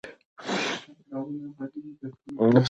سم ذکر تر سترګو ناسنته در معلوم شي.